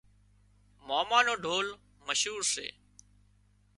ماما نو ڍول مشهور سي